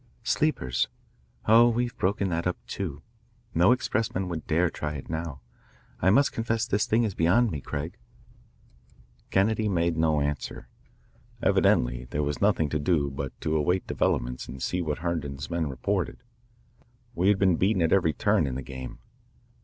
"Sleepers. Oh, we've broken that up, too. No expressman would dare try it now. I must confess this thing is beyond me, Craig." Kennedy made no answer. Evidently there was nothing to do but to await developments and see what Herndon's men reported. We had been beaten at every turn in the game.